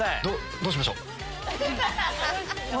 どうしましょう？